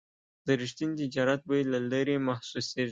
د رښتیني تجارت بوی له لرې محسوسېږي.